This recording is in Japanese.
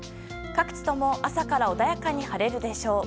各地とも朝から穏やかに晴れるでしょう。